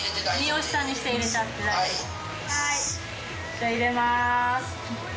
じゃあ入れます。